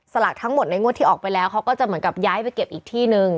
สลากทั้งหมดในงวดที่ออกไปแล้วเขาก็จะเหมือนกับย้ายไปเก็บอีกที่นึง